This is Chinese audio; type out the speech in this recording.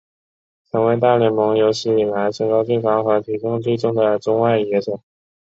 成为大联盟有史以来身高最高和体重最重的中外野手。